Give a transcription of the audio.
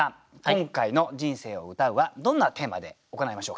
今回の「人生を詠う」はどんなテーマで行いましょうか。